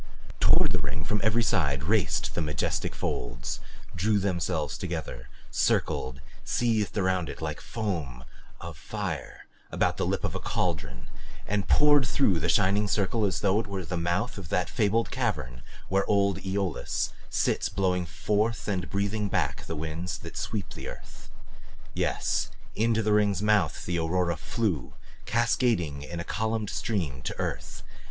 Toward the ring from every side raced the majestic folds, drew themselves together, circled, seethed around it like foam of fire about the lip of a cauldron, and poured through the shining circle as though it were the mouth of that fabled cavern where old Aeolus sits blowing forth and breathing back the winds that sweep the earth. Yes into the ring's mouth the aurora flew, cascading in a columned stream to earth.